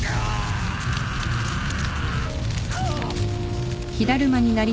あっ。